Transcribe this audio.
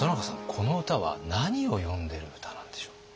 この歌は何を詠んでる歌なんでしょう？